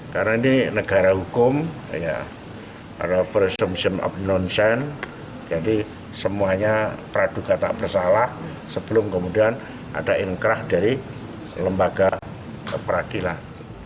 karena ini negara hukum ada presumption of non sense jadi semuanya praduga tak bersalah sebelum kemudian ada ingkrah dari lembaga peradilan